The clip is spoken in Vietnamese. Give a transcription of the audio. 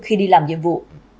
khi đi làm nhiệm vụ